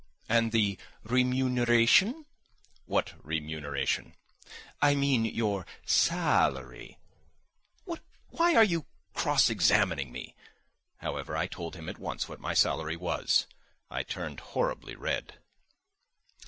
"And the remuneration?" "What remuneration?" "I mean, your sa a lary?" "Why are you cross examining me?" However, I told him at once what my salary was. I turned horribly red.